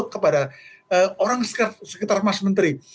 kepada orang sekitar mas menteri